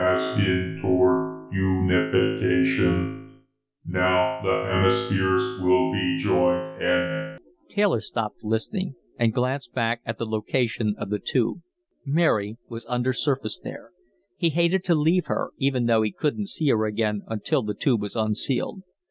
Now the hemispheres will be joined and " Taylor stopped listening and glanced back at the location of the Tube. Mary was undersurface there. He hated to leave her, even though he couldn't see her again until the Tube was unsealed.